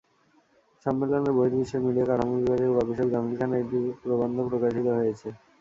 সম্মেলনের বহির্বিশ্বের মিডিয়া কাঠামো বিভাগে গবেষক জামিল খানের একটি প্রবন্ধ প্রকাশিত হয়েছে।